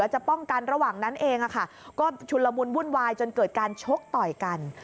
จนเกิดการชกต่อยกัน